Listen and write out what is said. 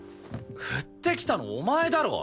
振ってきたのお前だろ。